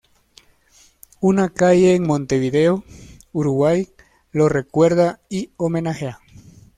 Una calle en Montevideo, Uruguay, lo recuerda y homenajea.